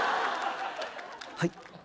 はい？